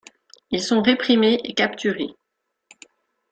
Ils sont réprimés et capturés.